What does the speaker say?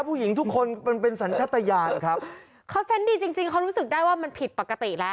ผู้หญิงทุกคนมันเป็นสัญชาติยานครับเขาเซ็นต์ดีจริงจริงเขารู้สึกได้ว่ามันผิดปกติแล้ว